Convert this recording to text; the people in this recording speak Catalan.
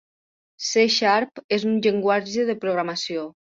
C Sharp és un llenguatge de programació.